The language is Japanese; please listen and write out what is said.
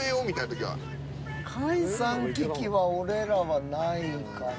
解散危機は俺らはないかな。